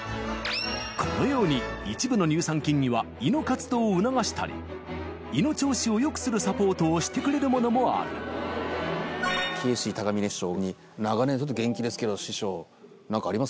このように一部の乳酸菌には胃の活動を促したり胃の調子をよくするサポートをしてくれるものもあるケーシー高峰師匠に。